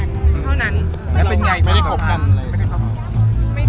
คือลินทำงาน